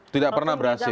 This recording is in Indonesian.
tidak pernah berhasil